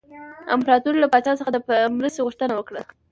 امپراطور له پاچا څخه د مرستې غوښتنه وکړه.